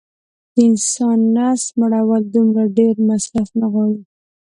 د انسان د نس مړول دومره ډېر مصرف نه غواړي